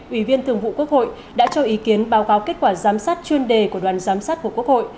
ủy viên thường vụ quốc hội đã cho ý kiến báo cáo kết quả giám sát chuyên đề của đoàn giám sát của quốc hội